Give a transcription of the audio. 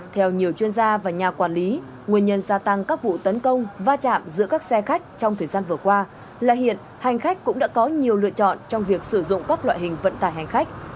theo nhiều chuyên gia và nhà quản lý nguyên nhân gia tăng các vụ tấn công va chạm giữa các xe khách trong thời gian vừa qua là hiện hành khách cũng đã có nhiều lựa chọn trong việc sử dụng các loại hình vận tải hành khách